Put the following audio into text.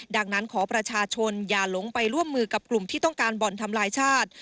ดังนั้นขอประชาชนอย่าหลงไปร่วมมือกับกลุ่มที่ต้องการบ่อนทำลายชาติ